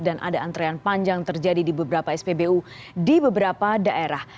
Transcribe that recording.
dan ada antrean panjang terjadi di beberapa spbu di beberapa daerah